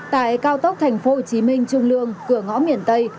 tại cao tốc tp hcm trung lương cửa ngõ miền tây